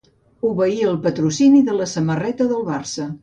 Obeir el patrocini de la samarreta del Barça.